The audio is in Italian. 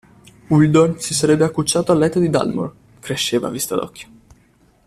Uldor si sarebbe accucciato al letto di Dalmor: cresceva a vista d'occhio.